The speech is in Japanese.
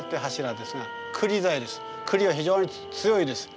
クリは非常に強いです。